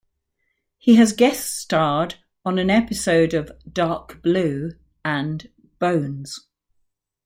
He has guest starred on an episode of "Dark Blue" and "Bones".